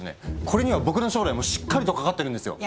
これには僕の将来もしっかりとかかってるんですよ。